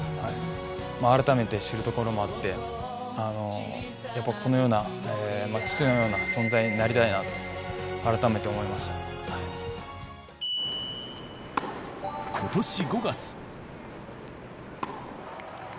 改めて知るところもあって、やっぱりこのような、父のような存在になりたいなと、改めて思いました。